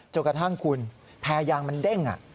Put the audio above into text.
จนกระทั่งคุณแพรยางมันเด้ง